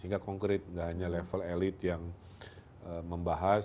sehingga konkret gak hanya level elite yang membahas